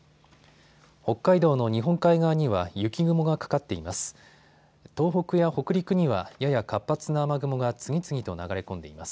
北海道の日本海側には雪雲がかかっています。